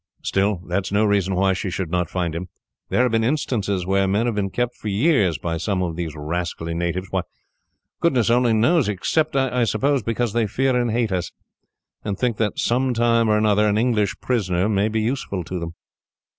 Still, that is no reason why she should not find him. There have been instances where men have been kept for years by some of these rascally natives why, goodness only knows, except, I suppose, because they fear and hate us; and think that, some time or other, an English prisoner may be useful to them.